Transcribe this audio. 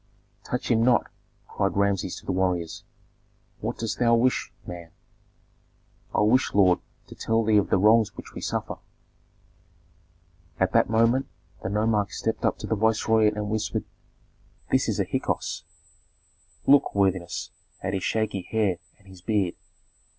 "Touch him not!" cried Rameses to the warriors. "What dost thou wish, man?" "I wish, lord, to tell thee of the wrongs which we suffer." At that moment the nomarch stepped up to the viceroy and whispered, "This is a Hyksos. Look, worthiness, at his shaggy hair and his beard.